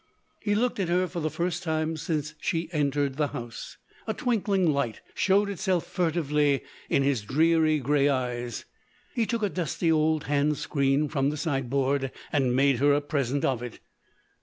He looked at her, for the first time since she had entered the house. A twinkling light showed itself furtively in his dreary gray eyes: he took a dusty old hand screen from the sideboard, and made her a present of it!